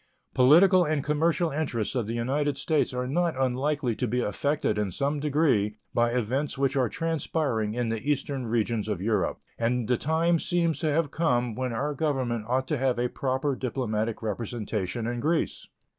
Political and commercial interests of the United States are not unlikely to be affected in some degree by events which are transpiring in the eastern regions of Europe, and the time seems to have come when our Government ought to have a proper diplomatic representation in Greece.